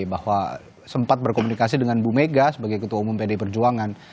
bahwa sempat berkomunikasi dengan bu mega sebagai ketua umum pd perjuangan